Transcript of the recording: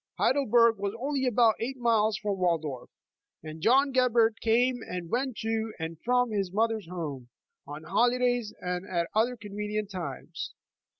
Heidelberg was only about eight miles from Wal dorf, and John Gebhard came and went to and from his mother's home, on holidays and at other convenient times.